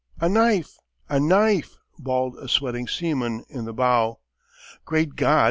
A knife! a knife!" bawled a sweating seaman in the bow. "Great God!